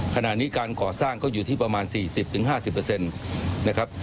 ขณะนี้การขอสร้างก็อยู่ที่ประมาณ๔๐ถึง๕๐เปอร์เซ็นต์นะครับ